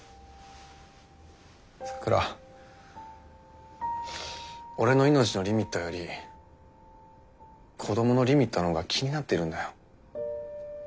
咲良は俺の命のリミットより子どものリミットのほうが気になってるんだよ。